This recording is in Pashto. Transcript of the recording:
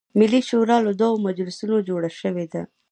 ملي شورا له دوه مجلسونو جوړه شوې ده.